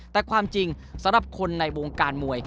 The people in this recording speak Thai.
แต่ความจริงสำหรับคนในวงการมวย